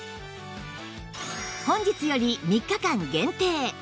本日より３日間限定